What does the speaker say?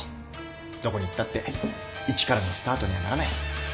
どこに行ったって一からのスタートにはならない。